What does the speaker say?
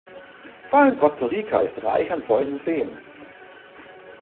Vor allem Costa Rica ist reich an solchen Seen.